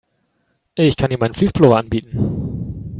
Ich kann dir meinen Fleece-Pullover anbieten.